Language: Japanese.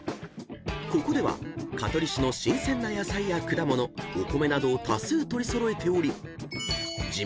［ここでは香取市の新鮮な野菜や果物お米などを多数取り揃えており］